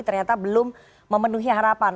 ternyata belum memenuhi harapan